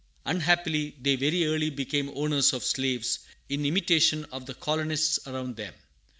Unhappily, they very early became owners of slaves, in imitation of the colonists around them.